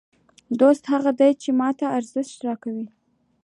دوست هغه دئ، چي ما ته ارزښت راکوي.